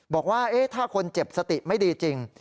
บอกว่าถ้าคนเจ็บสติไม่ดีจริง